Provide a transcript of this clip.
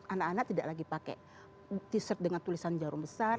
anak anak tidak lagi pakai t shirt dengan tulisan jarum besar